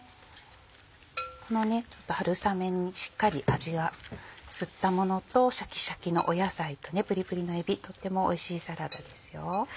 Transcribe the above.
この春雨にしっかり味が吸ったものとシャキシャキの野菜とプリプリのえびとってもおいしいサラダですよ。